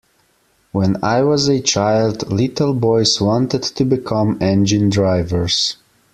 When I was a child, little boys wanted to become engine drivers.